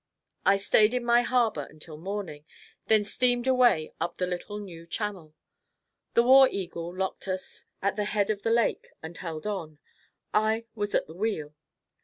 I stayed in my harbor until morning, then steamed away up the little new channel. The "War Eagle" locked us at the head of the lake and held on. I was at the wheel.